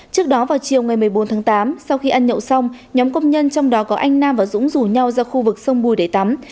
trước đó vào chiều ngày một mươi bốn tháng tám sau khi ăn nhậu xong nhóm công nhân trong đó có anh nam và dũng rủ nhau ra khu vực sông bùi để tắm